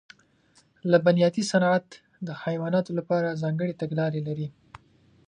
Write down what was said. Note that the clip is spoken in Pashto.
لبنیاتي صنعت د حیواناتو لپاره ځانګړې تګلارې لري.